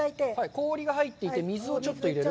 氷が入っていて、水をちょっと入れる？